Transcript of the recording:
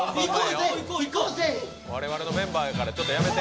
われわれのメンバーやからちょっとやめて。